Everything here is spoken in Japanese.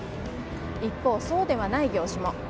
一方、そうではない業種も。